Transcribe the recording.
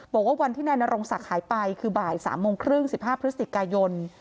บอกว่าวันที่นายนรงศักดิ์หายไปคือบ่าย๓โมงครึ่ง๑๕พฤศจิกายน